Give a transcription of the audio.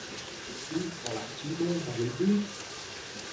Tui có làm chi mô mà gây tui